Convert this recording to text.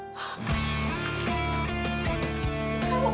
tante mau masuk